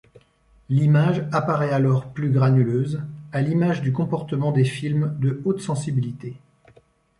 L'image apparaît alors plus granuleuse, à l'image du comportement des films de haute sensibilité.